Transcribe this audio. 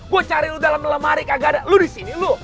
gue cari lo dalam lemari kagak ada lo disini lo